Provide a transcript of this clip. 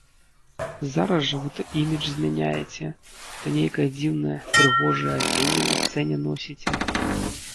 Зараз жа вы то імідж змяняеце, то нейкае дзіўнае, прыгожае адзенне на сцэне носіце.